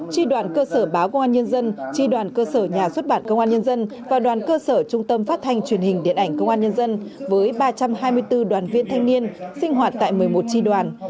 tri đoàn cơ sở báo công an nhân dân tri đoàn cơ sở nhà xuất bản công an nhân dân và đoàn cơ sở trung tâm phát thanh truyền hình điện ảnh công an nhân dân với ba trăm hai mươi bốn đoàn viên thanh niên sinh hoạt tại một mươi một tri đoàn